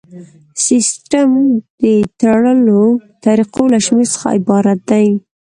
سیسټم د تړلو طریقو له شمیر څخه عبارت دی.